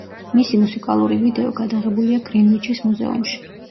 მისი მუსიკალური ვიდეო გადაღებულია გრინვიჩის მუზეუმში.